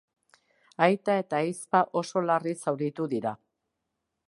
Aita eta ahizpa oso larri zauritu dira.